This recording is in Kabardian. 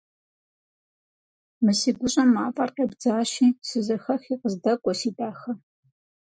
Мы си гущӏэм мафӏэр къебдзащи, сызэхэхи къыздэкӏуэ, си дахэ!